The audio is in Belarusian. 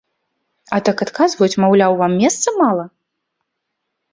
А так адказваюць, маўляў, вам месца мала?